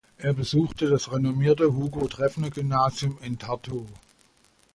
Er besuchte das renommierte Hugo-Treffner-Gymnasium in Tartu.